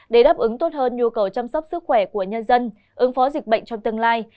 để đáp ứng tốt hơn nhu cầu chăm sóc sức khỏe của nhân dân ứng phó dịch bệnh trong tương lai